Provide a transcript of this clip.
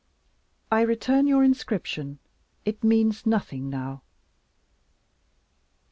"I return your inscription. It means nothing now."